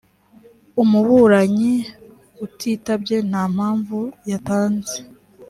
umuburanyi utitabye nta mpamvu yatanze